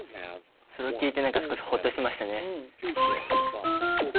それを聞いて何か少しほっとしましたね。